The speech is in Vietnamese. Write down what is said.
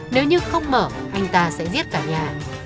nếu như không mở anh ta sẽ giết cả nhà